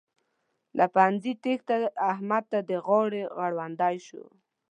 له پوهنځي تېښته؛ احمد ته د غاړې غړوندی شو.